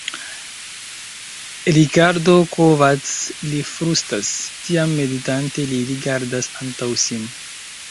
Rikardo Kovacs li flustras; tiam meditante li rigardas antaŭ sin.